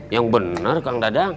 yang bener kang dadang